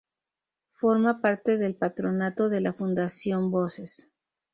Forma parte del patronato de la fundación "Voces".